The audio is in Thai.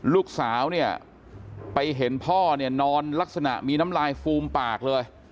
ลูกสาวเนี่ยไปเห็นพ่อเนี่ยนอนลักษณะมีน้ำลายฟูมปากเลย